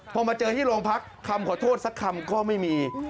พอมาเจอที่โรงพักคำขอโทษสักคำก็ไม่มี